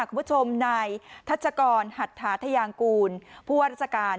คุณผู้ชมนายทัชกรหัตถาทยางกูลผู้ว่าราชการ